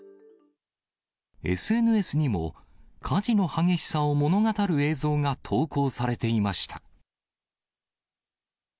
ＳＮＳにも火事の激しさを物語る映像が投稿されていました。